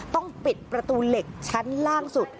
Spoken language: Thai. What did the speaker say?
ต้องปิดประตูเหล็กชั้นล่างสุด